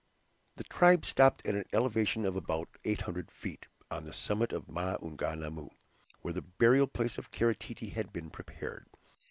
The tribe stopped at an elevation of about 800 feet, on the summit of Maunganamu, where the burial place of Kara Tete had been prepared.